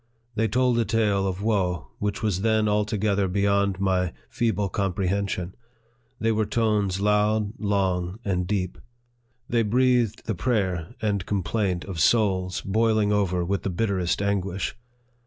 They told a tale of woe which was then altogether beyond my feeble comprehension ; they were tones loud, long, and deep ; they breathed the prayer and complaint of souls boiling over with the bitterest anguish.